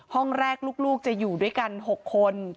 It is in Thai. ห้องแรกลูกจะอยู่ด้วยกัน๖คน